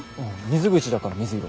水口だから水色。